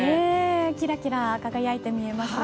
キラキラ輝いて見えます。